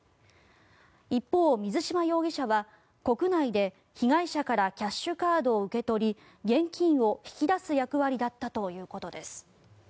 一方、水島容疑者は国内で被害者からキャッシュカードを受け取り現金を引き出す役割だったということです。